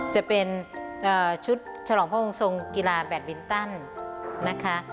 จะเป็นชุดฉลองพระองค์ทรงกีฬาแบตบินตันนะคะ